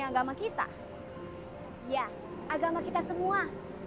agama kita semua